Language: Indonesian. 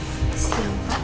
selamat siang tante